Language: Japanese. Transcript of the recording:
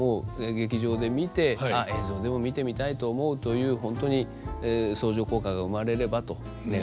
劇場で見て映像でも見てみたいと思うという本当に相乗効果が生まれればと願っています。